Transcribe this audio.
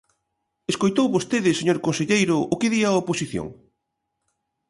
¿Escoitou vostede, señor conselleiro, o que di a oposición?